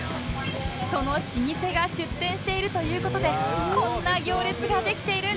その老舗が出店しているという事でこんな行列ができているんです